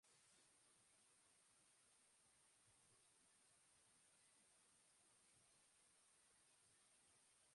Talde gehienek zelai pribatuetan jolasten dute, zinta eta kartelekin ongi seinaleztatuta.